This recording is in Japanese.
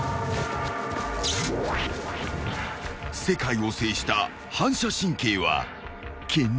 ［世界を制した反射神経は健在だ］